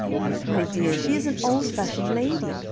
"My dear, she is an old fashioned lady.